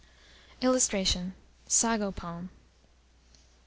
[Illustration: SAGO PALM.